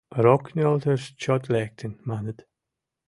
Рокнӧлтыш чот лектын, маныт.